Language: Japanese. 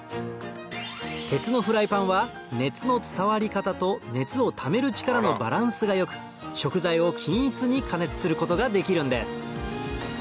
鉄のフライパンは熱の伝わり方と熱をためる力のバランスが良く食材を均一に加熱することができるんです